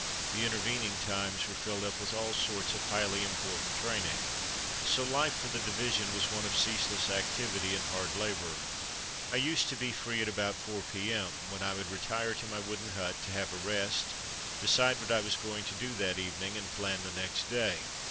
The intervening times were filled up with all sorts of highly im portant training, so life for the division was one of ceaseless activity and hard labour. I used to be free at about 4 p.m. when I would retire to my wooden hut to have a rest, decide what I was going to do that evening, and plan the next day.